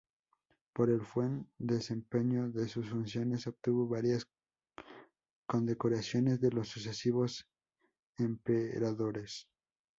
Por el buen desempeño de sus funciones, obtuvo varias condecoraciones de los sucesivos emperadores.